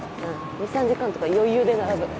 ２３時間とか余裕で並ぶ。